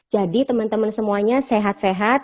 jadi teman teman semuanya sehat sehat